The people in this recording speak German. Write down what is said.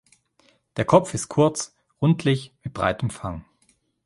Der Kopf ist kurz, rundlich mit breitem Fang.